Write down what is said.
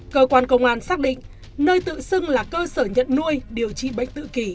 cơ quan công an xác định nơi tự xưng là cơ sở nhận nuôi điều trị bệnh tự kỷ